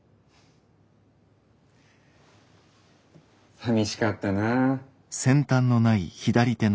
さみしかったなあ。